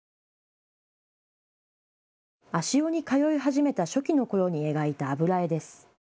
足尾に通い始めた初期のころに描いた油絵です。